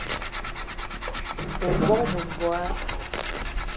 O bóng-be m'bogué!